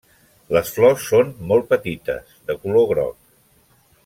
Les flors són molt petites, de color groc.